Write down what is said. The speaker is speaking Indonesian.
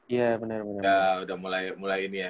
iya bener bener udah mulai ini ya